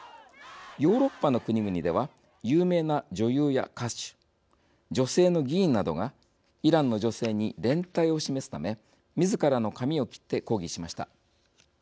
ヨーロッパの国々では有名な女優や歌手女性の議員などがイランの女性に連帯を示すためみずからの髪を切って抗議しました。